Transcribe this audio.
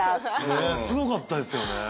ねえすごかったですよね。